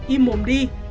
im mồm đi